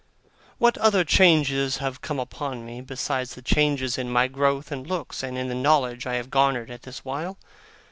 What other changes have come upon me, besides the changes in my growth and looks, and in the knowledge I have garnered all this while?